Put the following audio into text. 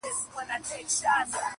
• قاسم یار بایللی هوښ زاهد تسبې دي,